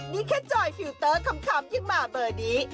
นี่แค่จอยฟิลเตอร์คำที่มาเบอร์นี้